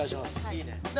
いいね